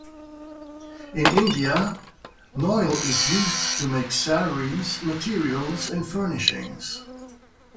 In India, Noil is used to make sarees, materials and furnishings.